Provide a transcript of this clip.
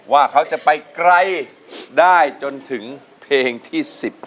ว่าเขาจะไปไกลได้จนถึงเพลงที่๑๕